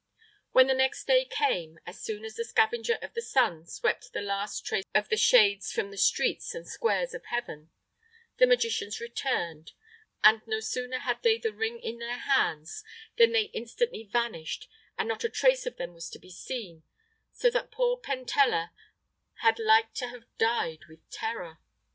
When the next day came, as soon as the scavenger of the sun swept the last trace of the shades from the streets and squares of heaven, the magicians returned, and no sooner had they the ring in their hands than they instantly vanished, and not a trace of them was to be seen, so that poor Pentella had like to have died with terror.